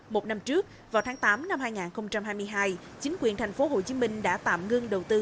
một năm trước vào tháng tám năm hai nghìn hai mươi hai chính quyền thành phố hồ chí minh đã tạm ngưng đầu tư